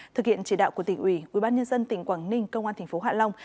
thực hiện chỉ đạo của tỉnh ủy ubnd tỉnh quảng ninh công an tp hạ long